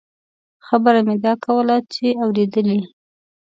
خبره مې دا کوله چې اورېدلې.